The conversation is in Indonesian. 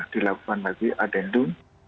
dilakukan lagi adendum